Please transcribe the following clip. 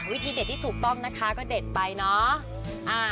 วิธีเด่ดที่ถูกป้องก็เด่นไปเนอะ